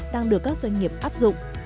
đang được các doanh nghiệp áp dụng